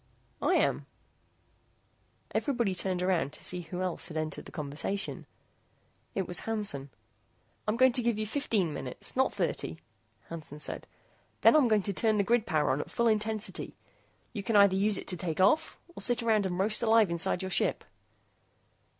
"I am." Everybody turned around to see who else had entered the conversation. It was Hansen. "I'm going to give you fifteen minutes, not thirty," Hansen said. "Then I'm going to turn the grid power on at full intensity. You can either use it to take off, or sit around and roast alive inside your ship."